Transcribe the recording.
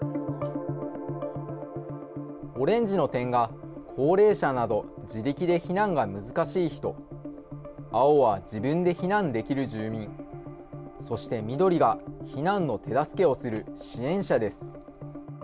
オレンジの点が、高齢者など自力で避難が難しい人、青は自分で避難できる住民、そして緑が、避難の手助けをする支援者です。